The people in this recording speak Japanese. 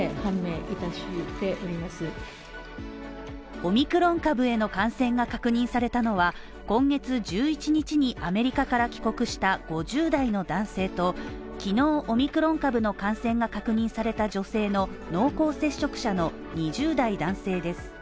オミクロン株への感染が確認されたのは今月１１日にアメリカから帰国した５０代の男性と昨日、オミクロン株の感染が確認された濃厚接触者の２０代男性です。